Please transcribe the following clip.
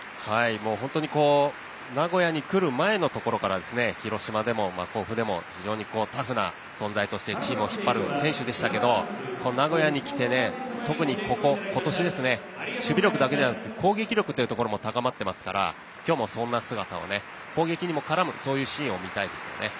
本当に名古屋に来る前のところから広島でも甲府でも非常にタフな存在としてチームを引っ張る選手でしたけど名古屋に来て、特に今年守備力だけじゃなくて攻撃力というところも高まってますから今日もそんな姿を攻撃にも絡むそういうシーンを見たいですね。